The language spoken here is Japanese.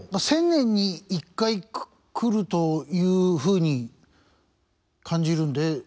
１０００年に１回来るというふうに感じるんで。